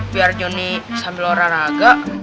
biar johnny sambil olahraga